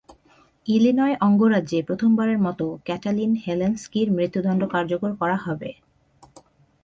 Illinois অঙ্গরাজ্যে প্রথমবারের মতো Katalin হেলেনস্কির মৃত্যুদন্ড কার্যকর করা হবে।